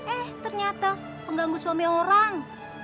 eh ternyata mengganggu suami orang